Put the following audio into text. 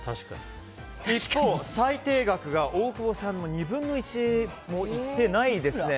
一方、最低額が大久保さんの２分の１もいってないですね